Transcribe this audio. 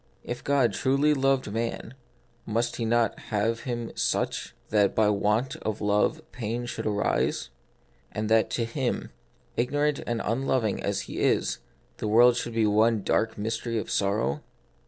If God truly loved man, must He not have made him such, that by want of love pain should arise ; and that to him — ignorant and unloving as he is — the world should be one dark mystery of sorrow